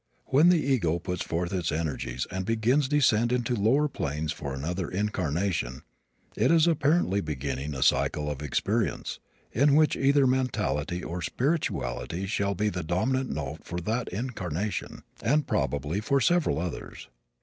When the ego puts forth its energies and begins descent into lower planes for another incarnation it is apparently beginning a cycle of experience in which either mentality or spirituality shall be the dominant note for that incarnation, and probably for several others.